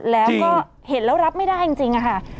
แล้วก็เห็นแล้วรับไม่ได้จริงค่ะ